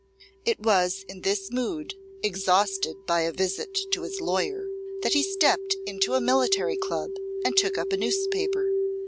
It was in this mood, exhausted by a visit to his lawyer, that he stepped into a military club and took up a newspaper.